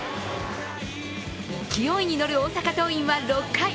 勢いに乗る大阪桐蔭は６回。